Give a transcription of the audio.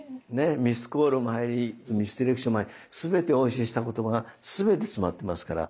ミスコールも入りミスディレクションもあり全てお教えした言葉が全て詰まってますから。